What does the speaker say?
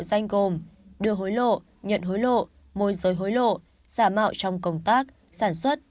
danh gồm đưa hối lộ nhận hối lộ môi giới hối lộ giả mạo trong công tác sản xuất